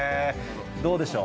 どうでしょう。